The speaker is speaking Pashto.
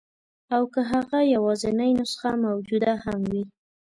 او که هغه یوازنۍ نسخه موجوده هم وي.